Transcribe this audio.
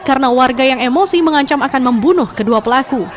karena warga yang emosi mengancam akan membunuh kedua pelaku